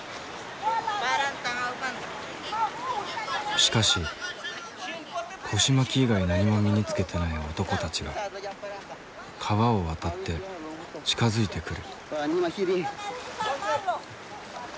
しかし腰巻き以外何も身につけてない男たちが川を渡って近づいてくる。